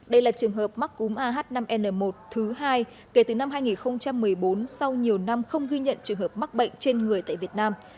đây là trường hợp mắc cúm ah năm n một thứ hai kể từ năm hai nghìn một mươi bốn sau nhiều năm không ghi nhận trường hợp mắc bệnh trên người tại việt nam